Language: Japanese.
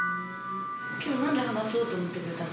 きょう、なんで話そうと思ってくれたの？